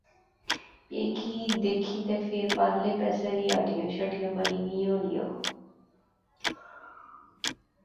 ایہہ کی دیکھی تہ فیر پارلے پاسے وی ہٹیاں شٹیاں بنی گئیاں ہولیاں